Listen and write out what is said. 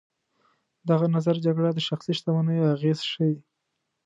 دغه نظر جګړه د شخصي شتمنیو اغېزه ښيي.